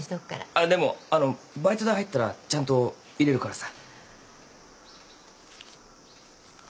あっでもあのバイト代入ったらちゃんと入れるからさ。